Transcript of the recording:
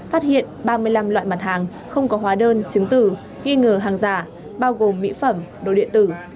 phát hiện ba mươi năm loại mặt hàng không có hóa đơn chứng tử nghi ngờ hàng giả bao gồm mỹ phẩm đồ điện tử